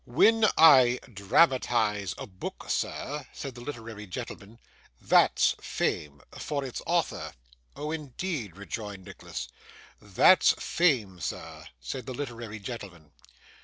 'When I dramatise a book, sir,' said the literary gentleman, 'THAT'S fame. For its author.' 'Oh, indeed!' rejoined Nicholas. 'That's fame, sir,' said the literary gentleman.